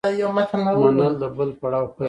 منل د بل پړاو پیل دی.